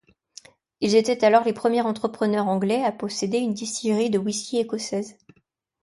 Ils étaient alors les premiers entrepreneurs anglais à posséder une distillerie de whisky écossaise.